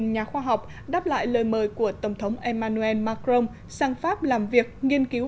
nhà khoa học đáp lại lời mời của tổng thống emmanuel macron sang pháp làm việc nghiên cứu